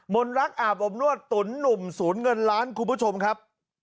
นรักอาบอบนวดตุ๋นหนุ่มศูนย์เงินล้านคุณผู้ชมครับ